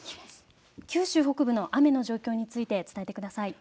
九州北部の雨の状況について伝えてください。